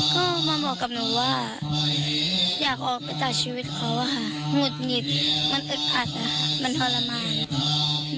ก็มาบอกกับหนูว่าอยากออกไปจากชีวิตเขาอะค่ะหงุดหงิดมันอึดอัดนะคะมันทรมาน